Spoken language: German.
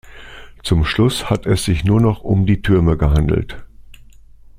Zum Schluss hat es sich nur noch um die Türme gehandelt.